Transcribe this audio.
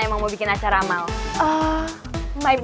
yuk langsung aja masuk